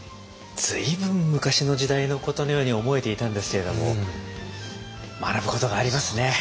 随分昔の時代のことのように思えていたんですけれども学ぶことがありますね。